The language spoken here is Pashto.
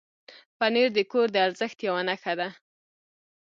پنېر د کور د ارزښت یو نښه ده.